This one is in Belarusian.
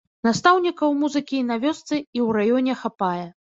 Настаўнікаў музыкі і на вёсцы, і ў раёне хапае.